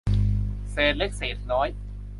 เศษเล็กเศษน้อย